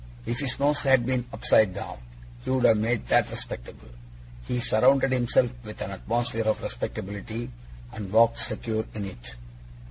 If his nose had been upside down, he would have made that respectable. He surrounded himself with an atmosphere of respectability, and walked secure in it.